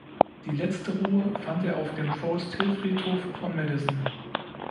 Die letzte Ruhe fand er auf dem Forest Hill Friedhof von Madison.